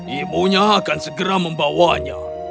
ibu akan segera membawanya